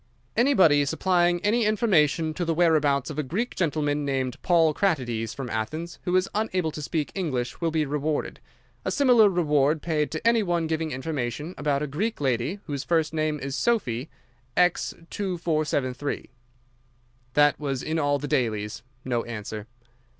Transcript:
"'Anybody supplying any information to the whereabouts of a Greek gentleman named Paul Kratides, from Athens, who is unable to speak English, will be rewarded. A similar reward paid to any one giving information about a Greek lady whose first name is Sophy. X 2473.' That was in all the dailies. No answer."